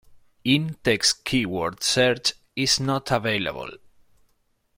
In-text keyword search is not available.